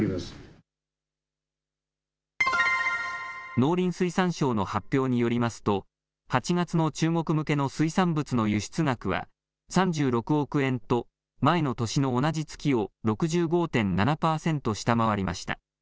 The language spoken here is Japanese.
農林水産省の発表によりますと８月の中国向けの水産物の輸出額は３６億円と前の年の同じ月を６５．７％下回りました。